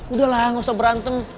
udah lah gak usah berantem